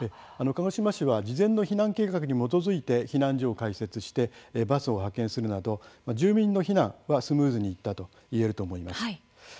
鹿児島市は事前の避難計画に基づいて避難所を開設してバスを派遣するなど住民の避難はスムーズにいったと言えると思います。